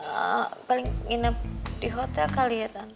eee paling ginep di hotel kali ya tante